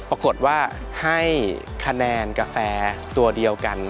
ปรากฏว่าให้คะแนนกาแฟตัวเดียวกัน